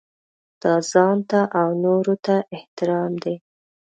دا ځانته او نورو ته احترام دی.